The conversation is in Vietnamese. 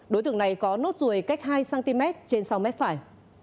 đối tượng này có nốt ruồi cách hai cm trên sau mép phải